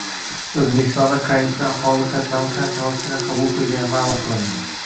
O‘zbekistonda qaysi aholi qatlami qancha vaksina qabul qilgani ma’lum qilindi